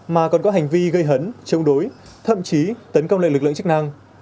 mà còn có hành vi gây hấn chống đối thậm chí tấn công lại lực lượng chức năng